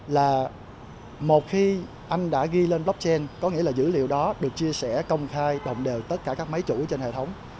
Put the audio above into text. là một khi anh đã ghi lên blockchain có nghĩa là dữ liệu đó được chia sẻ công khai đồng đều tất cả các máy chủ trên hệ thống